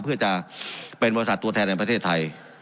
เพื่อจะเป็นบริษัทตัวแทนในประเทศไทย